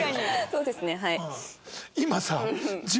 そうですねはい。